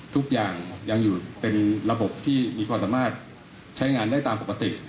ทุกอย่างยังอยู่เป็นระบบที่มีความสามารถใช้งานได้ตามปกติ